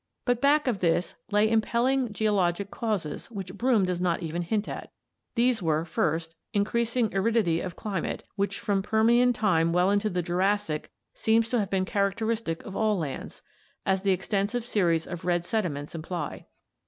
But back of this lay impelling geologic causes which Broom does not even hint at. These were, first, increasing aridity of climate, which from Permian time well into the Jurassic seems to have been characteristic of all lands, as the extensive series of red sediments imply.